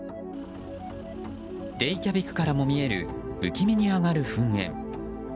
レイキャビクからも見える不気味に上がる噴煙。